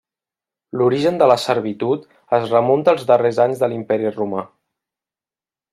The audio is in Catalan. L'origen de la servitud es remunta als darrers anys de l'Imperi romà.